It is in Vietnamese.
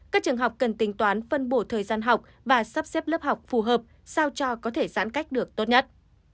các trường học cần tính toán phân bổ thời gian học và sắp xếp lớp học phù hợp sao cho có thể giãn cách được tốt nhất